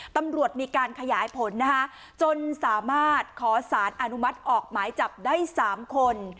ตำรวจมีการขยายผลนะคะจนสามารถขอสารอนุมัติออกหมายจับได้๓คน